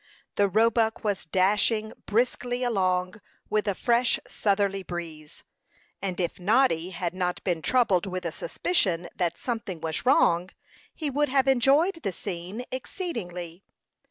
The Roebuck was dashing briskly along with a fresh southerly breeze; and if Noddy had not been troubled with a suspicion that something was wrong, he would have enjoyed the scene exceedingly.